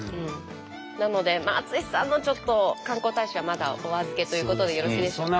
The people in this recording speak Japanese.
なので淳さんのちょっと観光大使はまだお預けということでよろしいでしょうか？